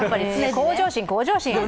向上心、向上心。